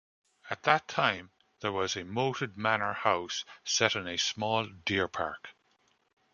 At that time there was a moated manor house set in a small deer-park.